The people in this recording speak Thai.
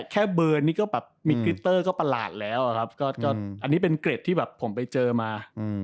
แค่เบอร์นีก็มีกริสเตอร์ก็ประหลาดแล้วอันนี้เป็นเกร็ดที่ผมไปเจอมา